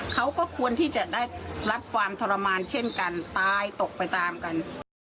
เขาก็ควรที่จะได้รับความทรมานเช่นกันตายตกไปตามกัน